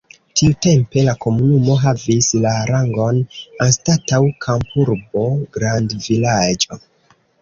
Tiutempe la komunumo havis la rangon anstataŭ kampurbo grandvilaĝo.